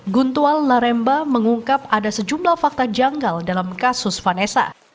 guntual laremba mengungkap ada sejumlah fakta janggal dalam kasus vanessa